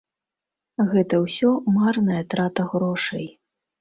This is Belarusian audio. Гэта ўсё марная трата грошай.